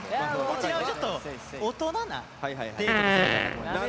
こちらはちょっと大人なデートで攻めたいなと思います。